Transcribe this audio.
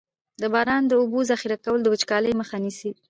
د باران د اوبو ذخیره کول د وچکالۍ مخه نیسي.